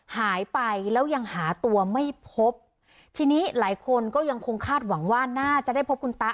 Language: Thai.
หายไปแล้วยังหาตัวไม่พบทีนี้หลายคนก็ยังคงคาดหวังว่าน่าจะได้พบคุณตะ